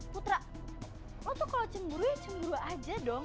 putra lo tuh kalau cemburu ya cemburu aja dong